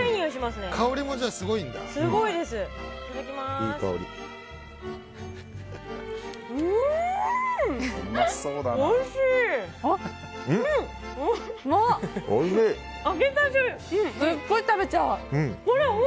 すっごい食べちゃう。